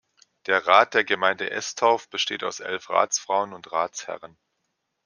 Der Rat der Gemeinde Estorf besteht aus elf Ratsfrauen und Ratsherren.